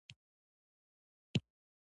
د ننګرهار په کامه کې د مرمرو نښې شته.